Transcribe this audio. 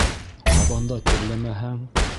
Һабанда тирләмәһәң